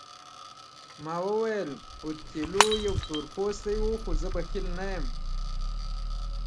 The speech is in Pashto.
ما وویل اوتیلو یو تور پوستی وو خو زه بخیل نه یم.